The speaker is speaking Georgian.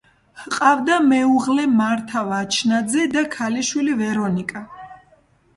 ჰყავდა მეუღლე მართა ვაჩნაძე და ქალიშვილი ვერონიკა.